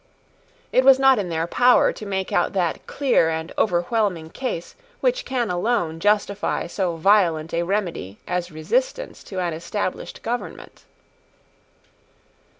It was not in their power to make out that clear and overwhelming case which can alone justify so violent a remedy as resistance to an established government.